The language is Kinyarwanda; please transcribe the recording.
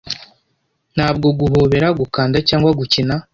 ntabwo guhobera, gukanda cyangwa gukina